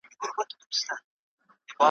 د ګډون کولو بلنه راکړه ,